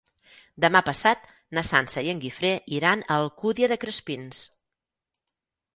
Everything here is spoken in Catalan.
Demà passat na Sança i en Guifré iran a l'Alcúdia de Crespins.